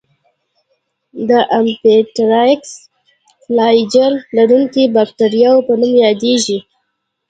د امفيټرایکس فلاجیل لرونکو باکتریاوو په نوم یادیږي.